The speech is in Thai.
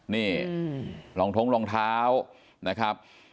นี่รองท้องรองเท้านะครับ